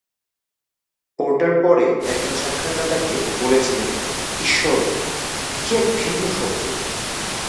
Porter পরে একজন সাক্ষাৎকারদাতাকে বলেছিলেন: 'ঈশ্বর, কী এক ভিন্ন শব্দ!